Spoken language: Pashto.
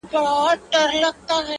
زه د لاسونو د دعا له دايرې وتلی!!